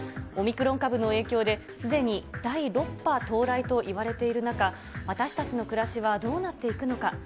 オミクロン株の影響で、すでに第６波到来といわれている中、私たちの暮らしはどうなっていくのか。